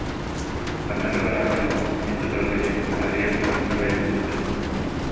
Ханна да бараайаҕыт, мин сотору кэлиэм, таарыйа маҕаһыыҥҥа бэйэм сылдьыам